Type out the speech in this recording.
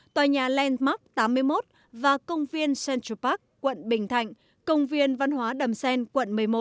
tòa nhà landmark tám mươi một và công viên central park quận bình thạnh công viên văn hóa đầm xen quận một mươi một